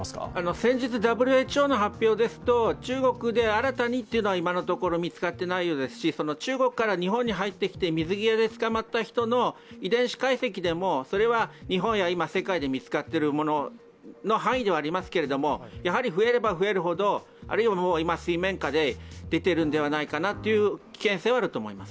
先日、ＷＨＯの発表ですと中国で新たにというのは今のところ見つかってないようですし中国から日本に入ってきて水際でつかまった人の遺伝子解析でもそれは日本や世界で今、見つかっているものの範囲ではありますけれどもやはり増えれば増えるほど、今水面下で出ているのではないかという危険性はあると思います。